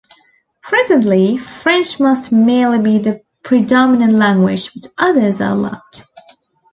Presently, French must merely be the predominant language, but others are allowed.